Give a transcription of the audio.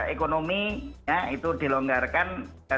ekonomi ya itu dilonggarkan